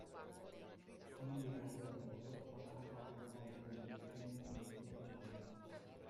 Come indicato dal titolo, l'opera parla di Padre Ubu che viene condotto in prigione.